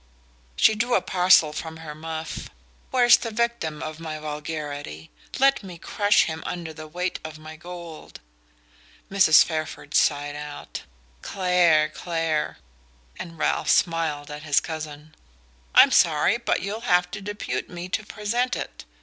'" She drew a parcel from her muff. "Where's the victim of my vulgarity? Let me crush him under the weight of my gold." Mrs. Fairford sighed out "Clare Clare!" and Ralph smiled at his cousin. "I'm sorry; but you'll have to depute me to present it.